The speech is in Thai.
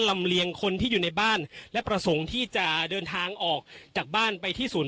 เลียงคนที่อยู่ในบ้านและประสงค์ที่จะเดินทางออกจากบ้านไปที่ศูนย์